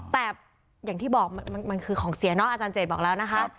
แต่อย่างที่บอกมันคือของเสียเนาะอาจารย์เจดบอกแล้วนะคะ